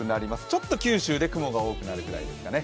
ちょっと九州で雲が多くなるくらいですかね。